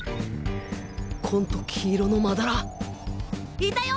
紺と黄色のまだら！いたよ！